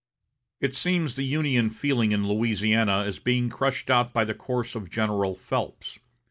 It seems the Union feeling in Louisiana is being crushed out by the course of General Phelps.